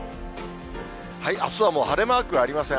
あすはもう晴れマークはありません。